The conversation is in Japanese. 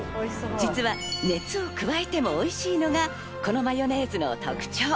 実は熱を加えてもおいしいのがこのマヨネーズの特徴。